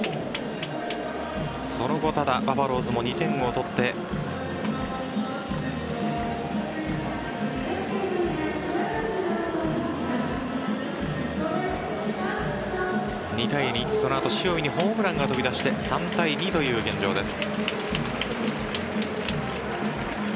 その後バファローズも２点を取って２対２その後、塩見にホームランが飛び出して３対２という現状です。